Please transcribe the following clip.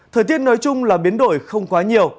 thời tiết nói chung là biến đổi không quá nhiều